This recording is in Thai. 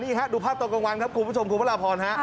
นี่ฮะดูภาพตอนกลางวันครับคุณผู้ชมคุณพระราพรฮะ